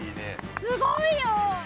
すごいよ！